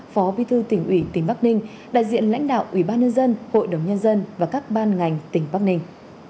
phó bí thư tỉnh ủy tỉnh bắc ninh đại diện lãnh đạo ủy ban nhân dân hội đồng nhân dân và các ban ngành tỉnh bắc ninh